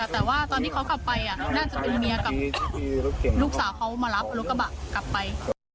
แต่ว่าตอนที่เขากลับไปน่าจะเป็นเมียกับลูกสาวเขามารับรถกระบะกลับไป